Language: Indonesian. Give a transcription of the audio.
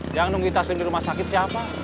yang nunggi taslim di rumah sakit siapa